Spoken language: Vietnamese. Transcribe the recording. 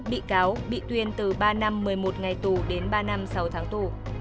một bị cáo bị tuyên từ ba năm một mươi một ngày tù đến ba năm sáu tháng tù